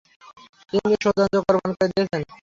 নিজের সৌন্দর্য কোরবান করে দিয়েছে।